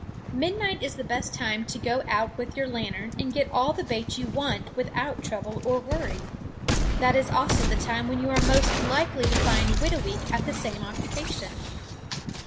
Midnight is the best time to go out with your lantern and get all the bait you want without trouble or worry. That is also the time when you are most likely to find Whitooweek at the same occupation.